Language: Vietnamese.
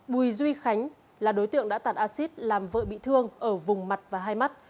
bùi duy khánh là đối tượng đã tàn acid làm vợ bị thương ở vùng mặt và hai mắt